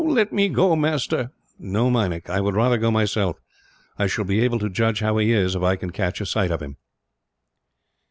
"Let me go, master!" "No, Meinik, I would rather go myself. I shall be able to judge how he is, if I can catch a sight of him."